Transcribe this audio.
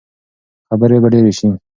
خبرې به ډېرې شي.